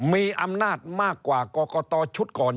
มีอำนาจมากกว่ากรกตชุดก่อน